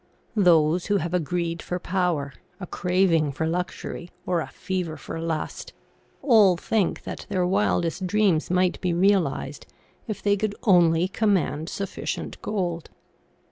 Those who have a greed for power, a craving for luxury, or a fever for lust, all think that their wildest dreams might be realized if they could only command sufficient gold.